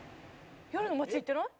「夜の街行ってない？」